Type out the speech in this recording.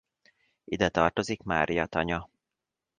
Ide tartozik Mária-tanya.